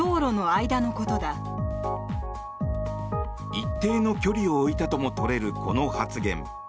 一定の距離を置いたとも取れるこの発言。